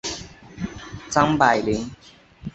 张百麟。